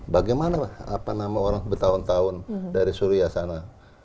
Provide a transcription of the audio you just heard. bagaimana apa nama orang bertahun tahun dari suria sana